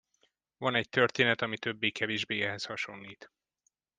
Van egy történet, ami többé kevésbé ehhez hasonlít.